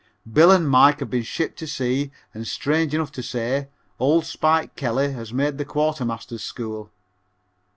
Bill and Mike have been shipped to sea and strange enough to say, old Spike Kelly has made the Quartermasters School.